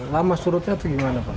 lama surutnya atau gimana pak